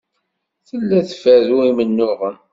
Tella tferru imennuɣen.